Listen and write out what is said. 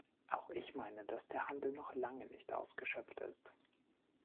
Auch ich meine, dass der Handel noch lange nicht ausgeschöpft ist.